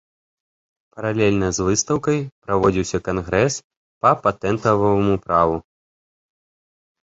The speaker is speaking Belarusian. Паралельна з выстаўкай праводзіўся кангрэс па патэнтаваму праву.